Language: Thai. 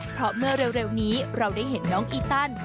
เพราะเมื่อเร็วนี้เราได้เห็นน้องอีตัน